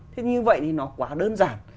thế như vậy thì nó quá đơn giản